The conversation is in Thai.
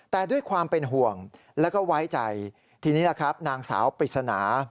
แต่ด้วยความเป็นห่วงแล้วก็ไว้ใจทีนี้ล่ะครับนางสาวปริศนา